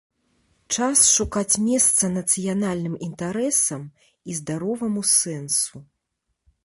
Час шукаць месца нацыянальным інтарэсам і здароваму сэнсу.